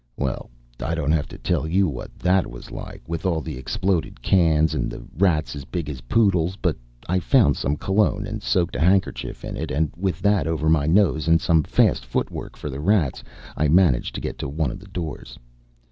Well, I don't have to tell you what that was like, with all the exploded cans and the rats as big as poodles. But I found some cologne and soaked a handkerchief in it, and with that over my nose, and some fast footwork for the rats, I managed to get to one of the doors.